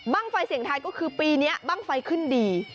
ไฟเสี่ยงทายก็คือปีนี้บ้างไฟขึ้นดี